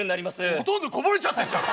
ほとんどこぼれちゃってんじゃん。